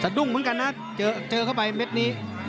ดุ้งเหมือนกันนะเจอเข้าไปเม็ดนี้